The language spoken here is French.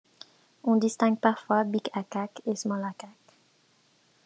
On distingue parfois Big Akak et Small Akak.